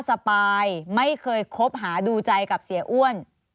สปายไม่เคยคบหาดูใจกับเสียอ้วน